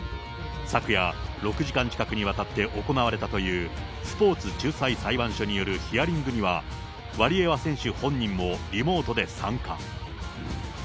昨夜、６時間近くにわたって行われたというスポーツ仲裁裁判所によるヒアリングには、ワリエワ選手本人もリモートで参加。